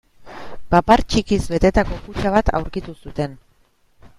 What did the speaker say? Papar txikiz betetako kutxa bat aurkitu zuten.